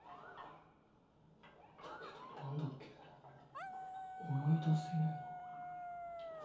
だけど何だっけ思い出せねぇな。